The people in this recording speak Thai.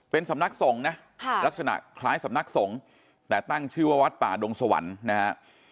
เป็นสำนักสงฆ์นะลักษณะคล้ายสำนักสงฆ์แต่ตั้งชื่อว่าวัดป่าดงสวรรค์นะฮะ